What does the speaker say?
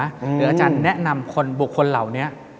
หรืออาจารย์แนะนำคนบุคคลเหล่านี้